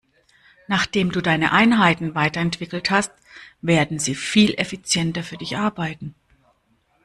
Nachdem du deine Einheiten weiterentwickelt hast, werden sie viel effizienter für dich arbeiten.